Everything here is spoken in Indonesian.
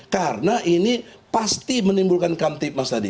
karena ini pasti menimbulkan kamtip mas tadi